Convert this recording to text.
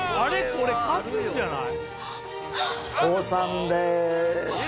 これ勝つんじゃない？